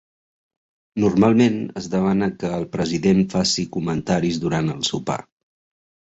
Normalment, es demana que el president faci comentaris durant el sopar.